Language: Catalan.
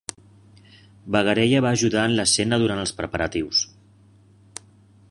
Bagarella va ajudar en l'escena durant els preparatius.